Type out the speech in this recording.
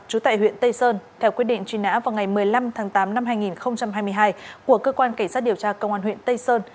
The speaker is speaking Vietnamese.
trú tại huyện tây sơn theo quyết định truy nã vào ngày một mươi năm tháng tám năm hai nghìn hai mươi hai của cơ quan cảnh sát điều tra công an huyện tây sơn